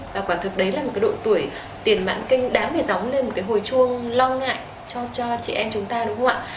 và quả thực đấy là một độ tuổi tiền mãn kinh đáng phải gióng lên một hồi chuông lo ngại cho chị em chúng ta đúng không ạ